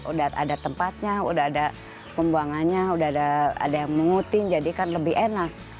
udah ada tempatnya udah ada pembuangannya udah ada yang mengutin jadi kan lebih enak